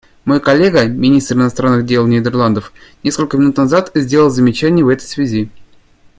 Мой коллега, министр иностранных дел Нидерландов, несколько минут назад сделал замечание в этой связи.